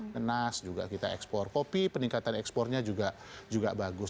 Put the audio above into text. nanas juga kita ekspor kopi peningkatan ekspornya juga bagus